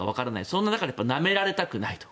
そんな中でなめられたくないと。